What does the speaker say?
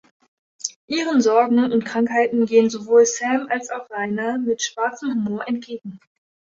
Ihren Sorgen und Krankheiten gehen sowohl Sam als auch Rainer mit schwarzem Humor entgegen.